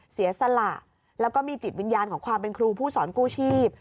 เสียสละแล้วก็มีจิตวิญญาณของความเป็นครูผู้สอนกู้ชีพ